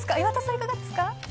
いかがですか。